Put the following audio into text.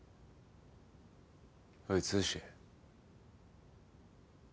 おい剛。